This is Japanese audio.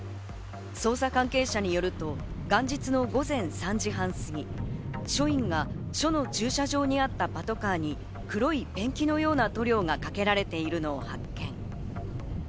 捜査関係者によると、元日の午前３時半過ぎ、署員が署の駐車場にあったパトカーに黒いペンキのような塗料がかけられているのを発見。